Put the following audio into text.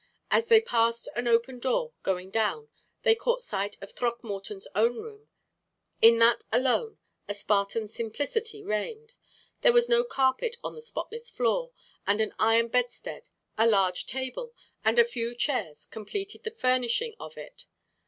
As they passed an open door, going down, they caught sight of Throckmorton's own room. In that alone a Spartan simplicity reigned. There was no carpet on the spotless floor, and an iron bedstead, a large table, and a few chairs completed the furnishing of it.